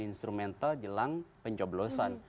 instrumental jelang pencoblosan